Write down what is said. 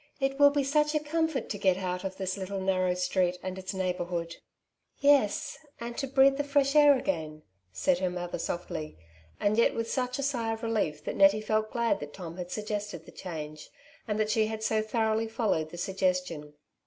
It will be such a comfort to get out of this little narrow street, and its neighbourhood/' '^ Yes ! and to breathe the fresh air again," said her mother softly, and yet with such a sigh of relief that Nettie felt glad that Tom had suggested the change, and that she had so thoroughly followed the suggestion.